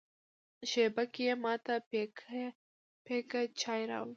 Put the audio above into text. شېبه کې یې ما ته پیکه چای راوړ.